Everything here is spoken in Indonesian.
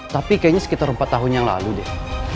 tapi kayaknya sekitar empat tahun yang lalu deh